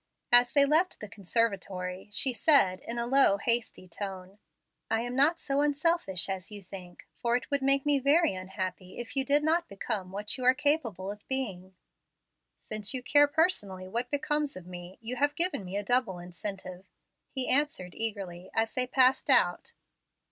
As they left the conservatory, she said in a low, hasty tone, "I am not so unselfish as you think; for it would make me very unhappy if you did not become what you are capable of being." "Since you care personally what becomes of me, you have given me a double incentive," he answered eagerly, as they passed out.